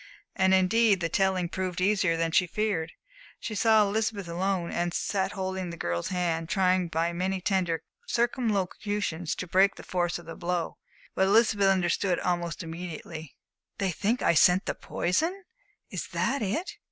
And indeed the telling proved easier than she feared. She saw Elizabeth alone, and sat holding the girl's hand, trying by many tender circumlocutions to break the force of the blow. But Elizabeth understood almost immediately. "They think I sent the poison is that it?"